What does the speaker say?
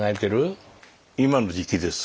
今の時期です。